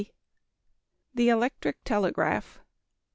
_The Electric Telegraph.